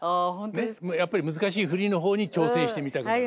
やっぱり難しい振りの方に挑戦してみたくなる。